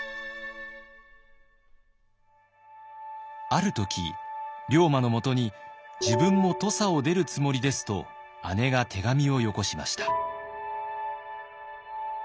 ある時龍馬のもとに「自分も土佐を出るつもりです」と姉が手紙をよこしました。